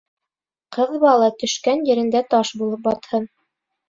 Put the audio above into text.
Ҡыҙ бала төшкән ерендә таш булып батһын.